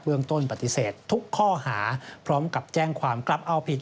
ต้นปฏิเสธทุกข้อหาพร้อมกับแจ้งความกลับเอาผิด